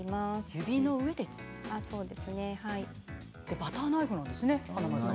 バターナイフなんですね華丸さん。